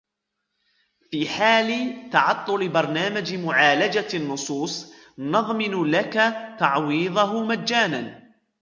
في حال تعطل برنامج معالجة النصوص ، نضمن لك تعويضه مجانا.